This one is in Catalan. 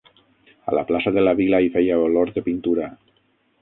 A la plaça de la Vila hi feia olor de pintura.